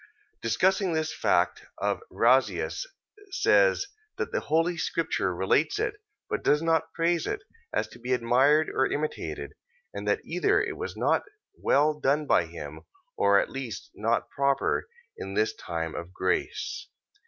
discussing this fact of Razias, says, that the holy scripture relates it, but doth not praise it, as to be admired or imitated, and that either it was not well done by him, or at least not proper in this time of grace.